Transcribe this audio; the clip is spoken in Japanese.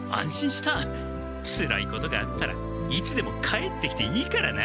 つらいことがあったらいつでも帰ってきていいからな！